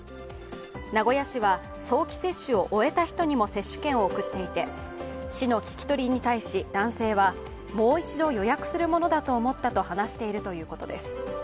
名古屋市は早期接種を終えた人にも接種券を送っていて、市の聞き取りに対し男性は、もう一度予約するものだと思ったと話しているということです。